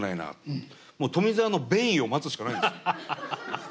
もう富澤の便意を待つしかないんですよ。